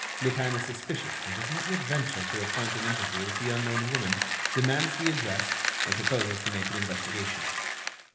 Lupin is suspicious and does not yet venture to appoint an interview with the unknown woman, demands the address and proposes to make an investigation.